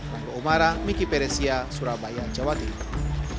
rangga umara miki peresia surabaya jawa timur